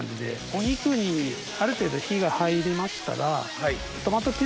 お肉にある程度火が入りましたらトマトピューレ。